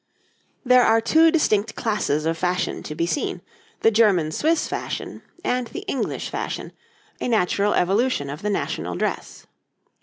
breeches}] There are two distinct classes of fashion to be seen, the German Swiss fashion and the English fashion, a natural evolution of the national dress.